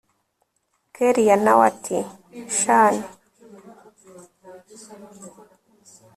kellia nawe ati shn